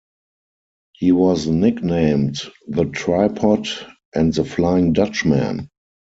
He was nicknamed The Tripod and The Flying Dutchman.